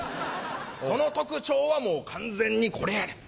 その特徴はもう完全にこれやない。